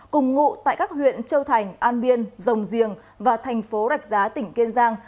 một mươi sáu ba mươi bốn cùng ngụ tại các huyện châu thành an biên rồng giềng và thành phố rạch giá tỉnh kiên giang